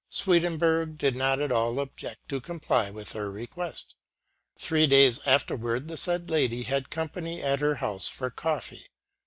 Swedenborg did not at all object to comply with her request. Three days afterward the said lady had company at her house for coffee.